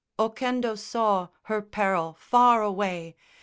Oquendo saw her peril far away!